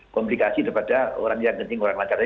komplikasi daripada orang yang genting orang lancar